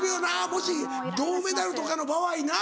もし銅メダルとかの場合な。